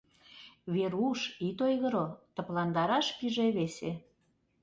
— Веруш, ит ойгыро, — тыпландараш пиже весе.